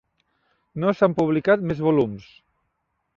No s'han publicat més volums.